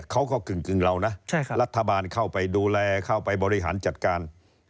กึ่งเรานะรัฐบาลเข้าไปดูแลเข้าไปบริหารจัดการ